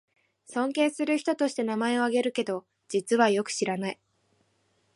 尊敬する人として名前をあげるけど、実はよく知らない